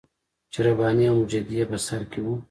چې رباني او مجددي یې په سر کې وو.